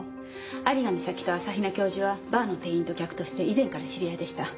有賀美咲と朝比奈教授はバーの店員と客として以前から知り合いでした。